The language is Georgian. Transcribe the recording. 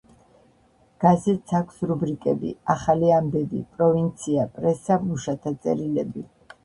გაზეთს აქვს რუბრიკები: „ახალი ამბები“, „პროვინცია“, „პრესა“, „მუშათა წერილები“.